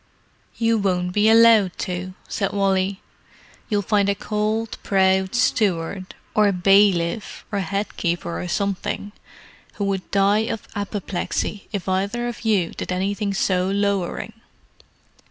"You won't be allowed to," said Wally. "You'll find a cold, proud steward, or bailiff, or head keeper or something, who would die of apoplexy if either of you did anything so lowering.